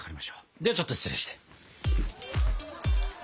ではちょっと失礼して。